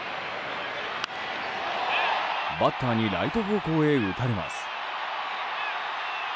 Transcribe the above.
バッターにライト方向へ打たれます。